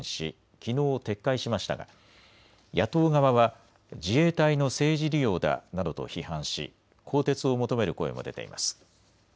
きのう撤回しましたが、野党側は自衛隊の政治利用だなどと批判し更迭を求める声も出ています。